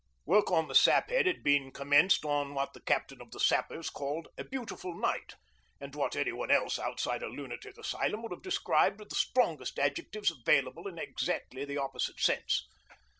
Work on the sap head had been commenced on what the Captain of the Sappers called 'a beautiful night,' and what anyone else outside a lunatic asylum would have described with the strongest adjectives available in exactly the opposite sense.